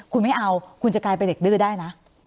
คุณไม่เอาคุณจะกลายเป็นเด็กดื้อได้นะ